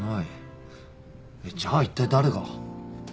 じゃあいったい誰が？